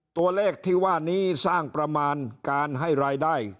ตัวเลขที่ว่านี้สร้างประมาณการให้รายได้